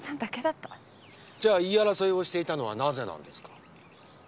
じゃあ言い争いをしていたのはなぜなんですか？